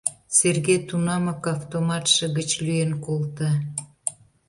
Сергей тунамак автоматше гыч лӱен колта.